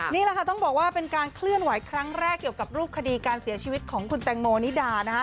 นี่แหละค่ะต้องบอกว่าเป็นการเคลื่อนไหวครั้งแรกเกี่ยวกับรูปคดีการเสียชีวิตของคุณแตงโมนิดา